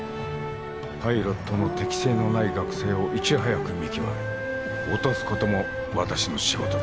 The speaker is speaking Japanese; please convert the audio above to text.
パイロットの適性のない学生をいち早く見極め落とすことも私の仕事だ。